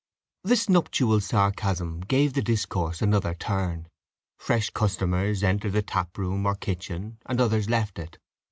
This nuptial sarcasm gave the discourse another turn; fresh customers entered the taproom or kitchen, and others left it.